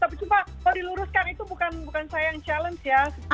tapi coba kalau diluruskan itu bukan saya yang challenge ya